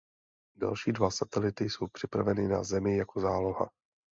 Další dva satelity jsou připraveny na zemi jako záloha.